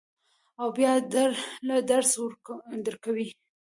او بیا در له درس درکوي.